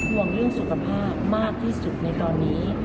ห่วงเรื่องสุขภาพมากที่สุดในตอนนี้